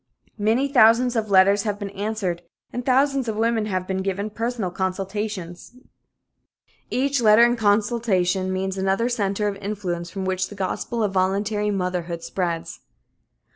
Many thousands of letters have been answered and thousands of women have been given personal consultations. Each letter and each consultation means another center of influence from which the gospel of voluntary motherhood spreads.